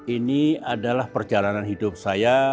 ini adalah perjalanan hidup saya